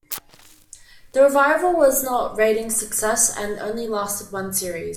The revival was not a ratings success and only lasted one series.